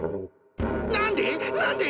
何で？